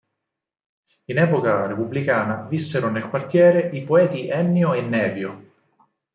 In epoca repubblicana vissero nel quartiere i poeti Ennio e Nevio.